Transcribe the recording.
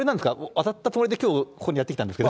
当たったつもりできょう、ここにやって来たんですけど。